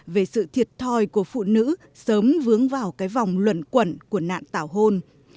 về sự thiệt thòi của phụ nữ sớm vướng vào cái vòng luận quẩn của nạn tảo hôn